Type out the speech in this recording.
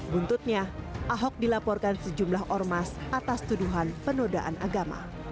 buntutnya ahok dilaporkan sejumlah ormas atas tuduhan penodaan agama